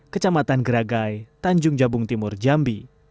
kecamatan geragai tanjung jabung timur jambi